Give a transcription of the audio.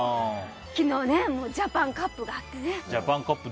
昨日もジャパン・カップがあってね。